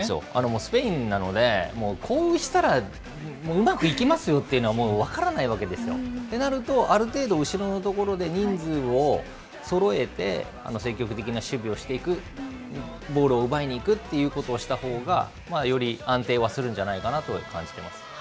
スペインなので、もうこうしたらうまくいきますよというのは、もう分からないわけなんですよ。となると、ある程度、後ろのところで人数をそろえて、積極的な守備をしていく、ボールを奪いに行くということをしたほうが、より安定はするんじゃないかなとは感じてます。